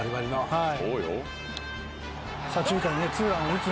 はい。